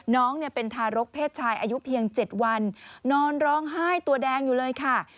น้องเป็นทารกเพศชายอายุเพียง๗วันนอนร้องไห้ตัวแดงอยู่เลยค่ะ